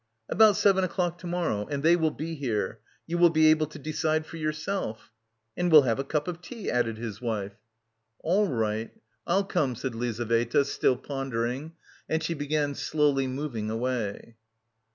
"About seven o'clock to morrow. And they will be here. You will be able to decide for yourself." "And we'll have a cup of tea," added his wife. "All right, I'll come," said Lizaveta, still pondering, and she began slowly moving away.